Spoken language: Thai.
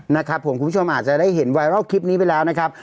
นะครับผมคุณผู้ชมอาจจะได้เห็นไวรัลคลิปนี้ไปแล้วนะครับ